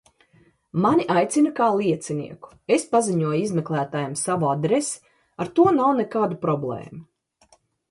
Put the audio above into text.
Mani aicina kā liecinieku, es paziņoju izmeklētājam savu adresi, ar to nav nekādu problēmu.